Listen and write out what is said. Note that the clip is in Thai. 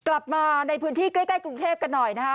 กลับมาในพื้นที่ใกล้กรุงเทพกันหน่อยนะคะ